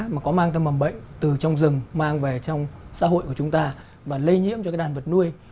mà có mang tâm mầm bệnh từ trong rừng mang về trong xã hội của chúng ta và lây nhiễm cho cái đàn vật nuôi